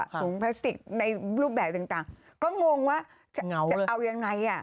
ถุงพลาสติกในรูปแบบต่างก็งงว่าจะเอายังไง